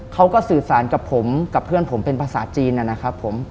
เขาก็สื่อสารกับผมกับเพื่อนผมเป็นภาษาจีนนะครับผม